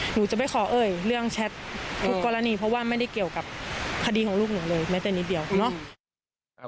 หนูจะไม่ขอเอ่ยเรื่องแชททุกกรณีเพราะว่าไม่ได้เกี่ยวกับคดีของลูกหนูเลยแม้แต่นิดเดียวเนาะ